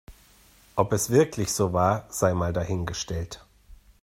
Ob es wirklich so war, sei mal dahingestellt.